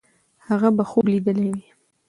هغه به خوب لیدلی وي.